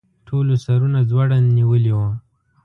ټولو سرونه ځوړند نیولي وو.